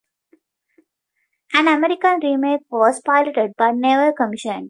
An American remake was piloted but never commissioned.